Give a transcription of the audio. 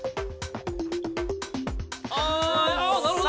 あああなるほど！